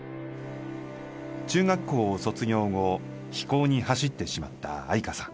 中学校を卒業後非行に走ってしまった愛華さん。